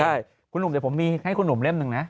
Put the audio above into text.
ใช่คุณหนุ่มเดี๋ยวผมมีให้คุณหนุ่มเล่มหนึ่งนะ